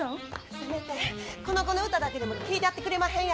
せめてこの子の歌だけでも聴いたってくれまへんやろか。